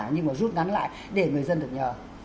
nhưng mà rút ngắn lại để người dân được nhờ